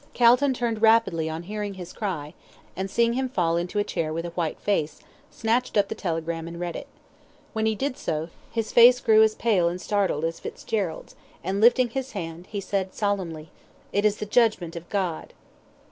Calton turned rapidly on hearing his cry, and seeing him fall into a chair with a white face, snatched up the telegram and read it. When he did so, his face grew as pale and startled as Fitzgerald's, and lifting his hand, he said solemnly "It is the judgment of God!"